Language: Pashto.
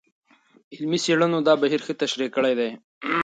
علمي څېړنو دا بهیر ښه تشریح کړی دی.